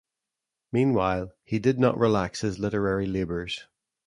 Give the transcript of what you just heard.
Meanwhile, he did not relax his literary labors.